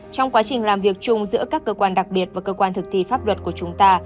trong quá trình làm việc chung giữa các cơ quan đặc biệt và cơ quan thực thi pháp luật của chúng ta